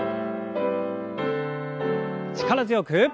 力強く。